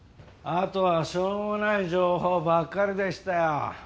あとはしょうもない情報ばっかりでしたよ。